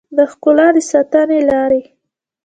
د ښکلا د ساتنې لارې